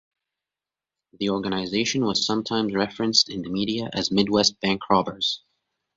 The organization was sometimes referenced in the media as the Midwest Bank Robbers.